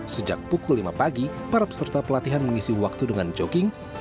sejak pukul lima pagi para peserta pelatihan mengisi waktu dengan jogging